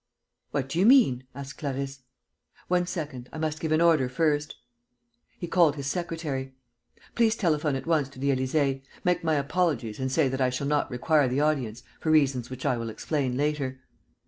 "What do you mean?" asked Clarisse. "One second.... I must give an order first." He called his secretary: "Please telephone at once to the Élysée, make my apologies and say that I shall not require the audience, for reasons which I will explain later."